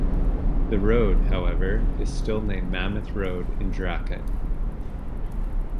The road, however, is still named Mammoth Road in Dracut.